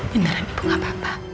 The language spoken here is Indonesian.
beneran ibu gak apa apa